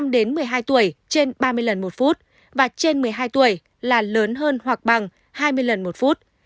đến một mươi hai tuổi trên ba mươi lần một phút và trên một mươi hai tuổi là lớn hơn hoặc bằng hai mươi lần một phút